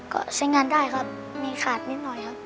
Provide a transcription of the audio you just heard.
ก็ใช้งานได้ครับมีขาดนิดหน่อยครับ